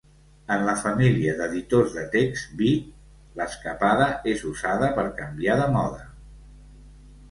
En la família d'editors de text vi, l'escapada és usada per canviar de mode.